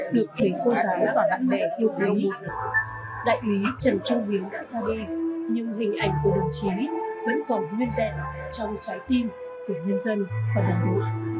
được thấy cô giáo và bạn bè yêu quý đại quý trần trung hiếu đã ra đi nhưng hình ảnh của đồng chí vẫn còn nguyên vẹn trong trái tim của nhân dân và đồng quân